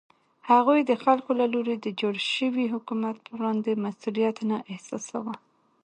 هغوی د خلکو له لوري د جوړ شوي حکومت په وړاندې مسوولیت نه احساساوه.